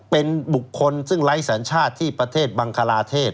เป็นบุคคลซึ่งไร้สัญชาติที่ประเทศบังคลาเทศ